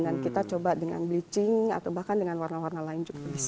dan kita coba dengan bleaching atau bahkan dengan warna warna lain juga bisa